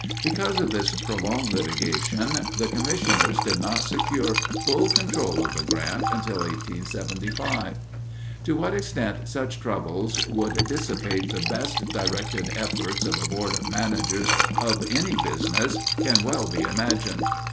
Because of this prolonged litigation, the commissioners did not secure full control of the grant until 1875. To what extent such troubles would dissipate the best directed efforts of a board of managers of any business can well be imagined.